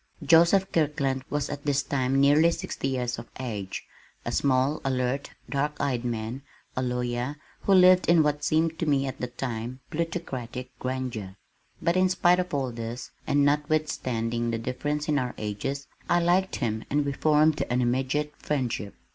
Joseph Kirkland was at this time nearly sixty years of age, a small, alert, dark eyed man, a lawyer, who lived in what seemed to me at the time, plutocratic grandeur, but in spite of all this, and notwithstanding the difference in our ages, I liked him and we formed an immediate friendship.